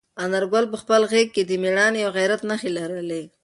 انارګل په خپل غږ کې د میړانې او غیرت نښې لرلې.